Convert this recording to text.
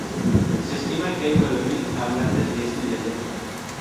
Se estima que hay nueve mil hablantes de este dialecto.